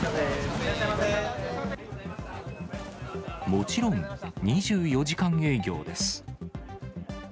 もちろん、２４時間営業です。